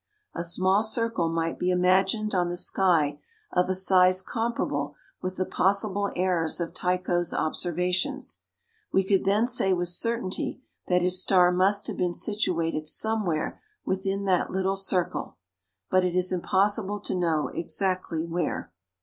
A small circle might be imagined on the sky of a size comparable with the possible errors of Tycho's observations. We could then say with certainty that his star must have been situated somewhere within that little circle, but it is impossible to know exactly where.